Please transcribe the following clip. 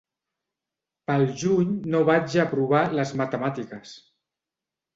Pel juny no vaig aprovar les matemàtiques.